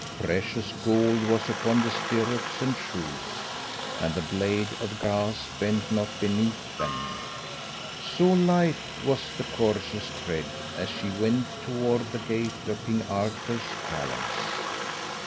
Precious gold was upon the stirrups and shoes, and the blade of grass bent not beneath them, so light was the courser's tread as he went towards the gate of King Arthur's palace.